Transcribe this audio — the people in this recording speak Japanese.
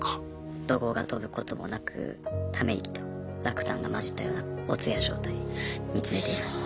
怒号が飛ぶこともなくため息と落胆が混じったようなお通夜状態見つめていました。